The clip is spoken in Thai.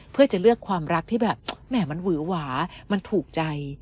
เพื่อจะเลือกความรักที่แบบแหม่มันหวือหวามันถูกใจ